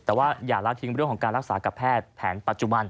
แต่ว่าอย่าละทิ้งเรื่องของการรักษากับแพทย์แผนปัจจุบัน